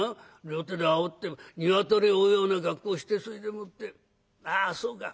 両手であおって鶏を追うような格好してそれでもってああそうか。